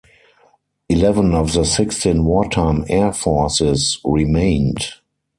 Eleven of the sixteen wartime air forces remained.